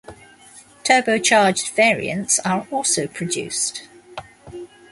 Turbocharged variants are also produced.